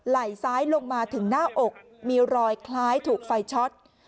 ไหล่ซ้ายลงมาถึงหน้าอกมีรอยคล้ายถูกไฟช็อต